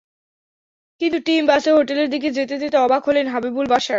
কিন্তু টিম বাসে হোটেলের দিকে যেতে যেতে অবাক হলেন হাবিবুল বাশার।